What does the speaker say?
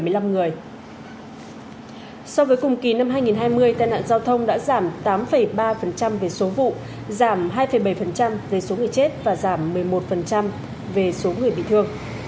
so với cùng kỳ năm hai nghìn hai mươi tai nạn giao thông đã giảm tám ba về số vụ giảm hai bảy về số người chết và giảm một mươi một về số người bị thương